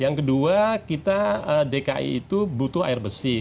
yang kedua kita dki itu butuh air bersih